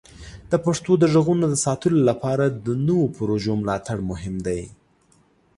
د پښتو د غږونو د ساتلو لپاره د نوو پروژو ملاتړ مهم دی.